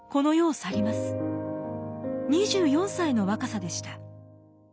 ２４歳の若さでした。